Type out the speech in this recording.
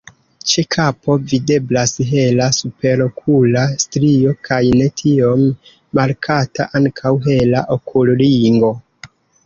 Ĉe kapo videblas hela superokula strio kaj ne tiom markata ankaŭ hela okulringo.